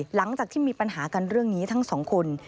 หลังจากที่มีปัญหากันเรื่องนี้ทั้งสองคน